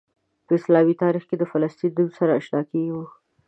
په اسلامي تاریخ کې د فلسطین له نوم سره آشنا کیږو.